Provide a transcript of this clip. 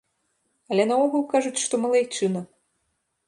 Але наогул, кажуць, што малайчына.